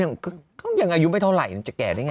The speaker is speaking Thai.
ก็ยังอายุไม่เท่าไหร่มันจะแก่ได้ไง